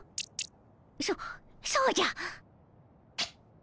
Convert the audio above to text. そそうじゃ！